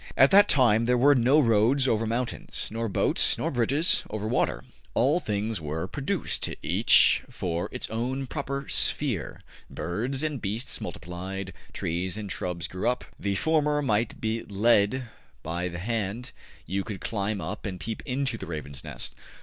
At that time there were no roads over mountains, nor boats, nor bridges over water. All things were produced, each for its own proper sphere. Birds and beasts multiplied, trees and shrubs grew up. The former might be led by the hand; you could climb up and peep into the raven's nest.